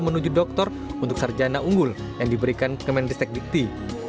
menuju doktor untuk sarjana unggul yang diberikan kemendestek dikti